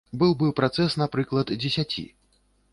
Быў бы працэс, напрыклад, дзесяці.